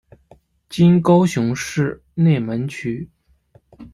今高雄市内门区。